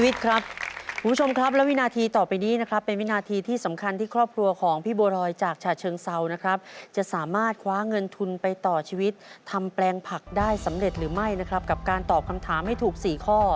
คุณผู้ชมครับและวินาทีต่อไปนี้นะครับเป็นวินาทีที่สำคัญที่ครอบครัวของพี่บัวรอยจากฉะเชิงเซานะครับจะสามารถคว้าเงินทุนไปต่อชีวิตทำแปลงผักได้สำเร็จหรือไม่นะครับกับการตอบคำถามให้ถูก๔ข้อ